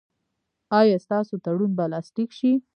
ایا ستاسو تړون به لاسلیک شي؟